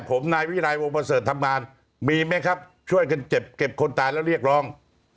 ผมนายวิรัยวงประเสริฐทำงานมีไหมครับช่วยกันเก็บคนตายแล้วเรียกร้อง